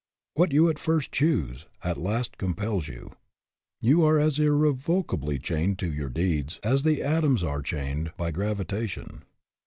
What you at first choose, at last compels you. You are as irrev ocably chained to your deeds as the atoms are chained by gravitation.